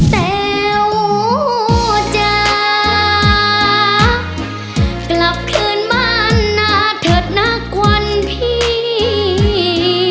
แต๋วจะกลับคืนบ้านหน้าเถิดนักวันพี่